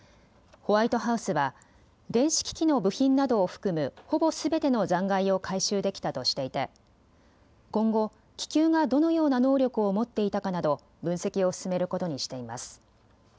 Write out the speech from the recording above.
ホワイトハウスは電子機器の部品などを含むほぼすべての残骸を回収できたとしていて今後気球がどのような能力を持っていたかなど分析を進めることにしています。